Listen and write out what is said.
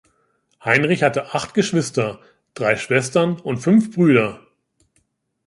Heinrich hatte acht Geschwister, drei Schwestern und fünf Brüder.